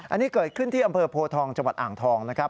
อันนี้เกิดขึ้นที่อำเภอโพทองจังหวัดอ่างทองนะครับ